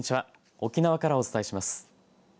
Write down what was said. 沖縄からお伝えします。